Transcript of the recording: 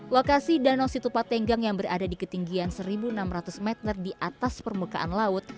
lokasi danau situpat tenggang yang berada di ketinggian seribu enam ratus meter di atas permukaan laut